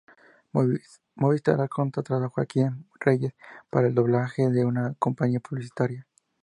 Movistar ha contratado a Joaquín Reyes para el doblaje de una campaña publicitaria.